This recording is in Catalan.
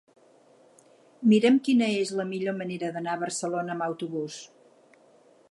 Mira'm quina és la millor manera d'anar a Barcelona amb autobús.